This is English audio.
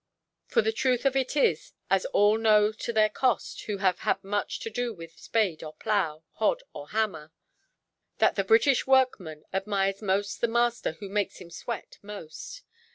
For the truth of it is, as all know to their cost, who have had much to do with spade or plough, hod or hammer, that the British workman admires most the master who makes him sweat most.